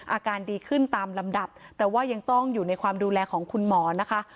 อาการดีขึ้นตามลำดับแต่ว่ายังต้องอยู่ในความดูแลของคุณหมอนะคะ